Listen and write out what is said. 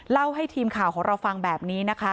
เล่าให้ทีมข่าวของเราฟังแบบนี้นะคะ